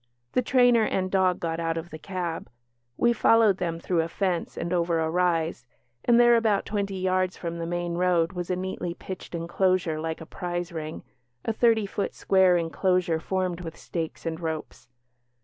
The trainer and dog got out of the cab; we followed them through a fence and over a rise and there, about twenty yards from the main road, was a neatly pitched enclosure like a prize ring, a thirty foot square enclosure formed with stakes and ropes.